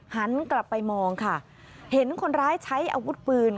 หันกลับไปมองค่ะเห็นคนร้ายใช้อาวุธปืน